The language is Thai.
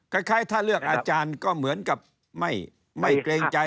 คล้ายถ้าเลือกอาจารย์ก็เหมือนกับไม่เกรงใจ